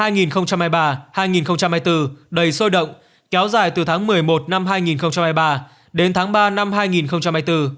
năm hai nghìn hai mươi ba hai nghìn hai mươi bốn đầy sôi động kéo dài từ tháng một mươi một năm hai nghìn hai mươi ba đến tháng ba năm hai nghìn hai mươi bốn